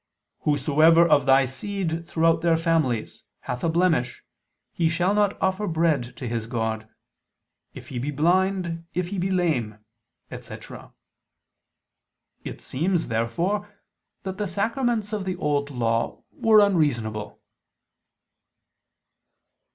"Whosoever of thy seed throughout their families, hath a blemish, he shall not offer bread to his God ... if he be blind, if he be lame," etc. It seems, therefore, that the sacraments of the Old Law were unreasonable.